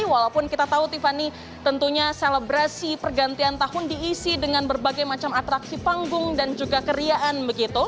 walaupun kita tahu tiffany tentunya selebrasi pergantian tahun diisi dengan berbagai macam atraksi panggung dan juga keriaan begitu